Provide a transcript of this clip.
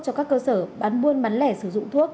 cho các cơ sở bán buôn bán lẻ sử dụng thuốc